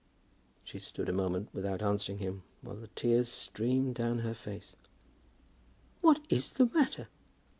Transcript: She stood a moment without answering him, while the tears streamed down her face. "What is the matter?"